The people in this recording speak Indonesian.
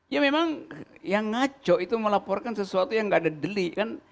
ya memang yang ngaco itu melaporkan sesuatu yang gak ada deli kan